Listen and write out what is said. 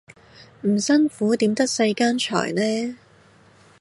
唔辛苦點得世間財呢